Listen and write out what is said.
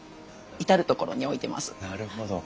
なるほど。